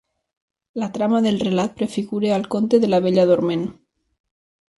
La trama del relat prefigura el conte de la Bella Dorment.